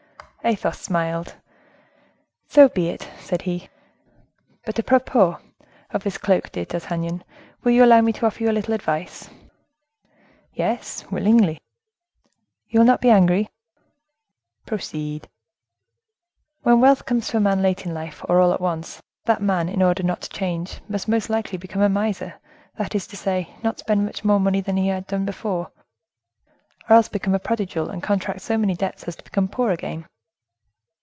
Athos smiled. "So be it," said he. "But a propos of this cloak, dear D'Artagnan, will you allow me to offer you a little advice?" "Yes, willingly." "You will not be angry?" "Proceed." "When wealth comes to a man late in life or all at once, that man, in order not to change, must most likely become a miser—that is to say, not spend much more money than he had done before; or else become a prodigal, and contract so many debts as to become poor again."